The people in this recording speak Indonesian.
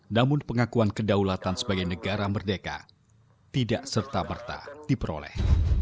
namun pengakuan kedaulatan sebagai negara merdeka tidak serta merta diperoleh